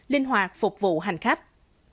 linh hoạt phục vụ hành khách